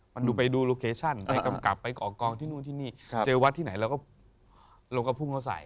มันดูไปดูโลเคชั่นไปกำกับไปก่อกองที่นู่นที่นี่เจอวัดที่ไหนเราก็เราก็พุ่งเขาใส่